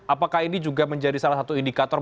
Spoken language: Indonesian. apakah ini juga menjadi salah satu indikator